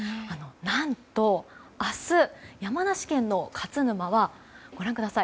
何と明日、山梨県の勝沼はご覧ください。